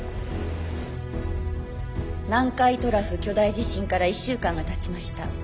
南海トラフ巨大地震から１週間がたちました。